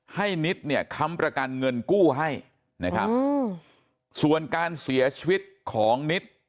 นิดเนี่ยค้ำประกันเงินกู้ให้นะครับส่วนการเสียชีวิตของนิด